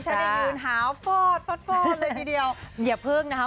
ฉันยังยืนหาวฟอดฟอดฟอดเลยทีเดียวเหยียบหึงนะคะ